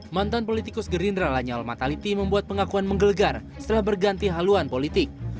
mantan politikus gerindra lanyal mataliti membuat pengakuan menggelegar setelah berganti haluan politik